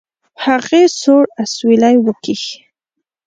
هغې سوړ اسويلى وکېښ.